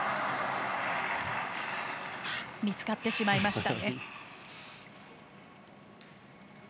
見つかってしまいました。